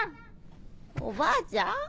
おばあちゃん。